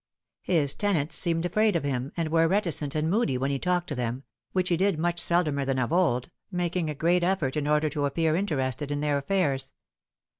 His tenants seemed afraid of him, and were reticent and moody when he talked to them, which he did much seldomer than of old, making a great effort in order to appear interested in then? affairs.